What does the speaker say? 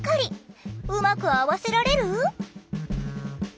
うまく合わせられる？